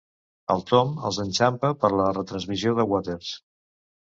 El Tom els enxampa per la retransmissió de Waters.